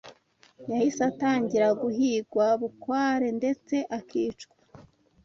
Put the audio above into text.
yahise atangira guhigwa bukware ndetse akicwa